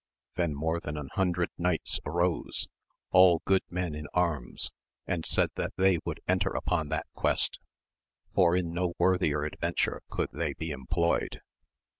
Then more than an' hundred knights arose, all good men in arms, and said that they would enter upon that quest, for in no worthier adventure could they be employed.